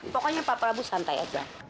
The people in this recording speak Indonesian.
pokoknya pak prabowo santai aja